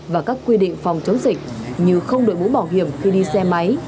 và các quy định phòng chống dịch như không đội mũ bảo hiểm khi đi xe máy